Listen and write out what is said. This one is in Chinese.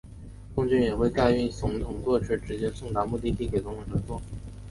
空军一号也会载运总统座车直接送达目的地给总统乘坐。